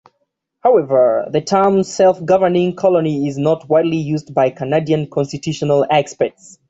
However, the term "self-governing colony" is not widely used by Canadian constitutional experts.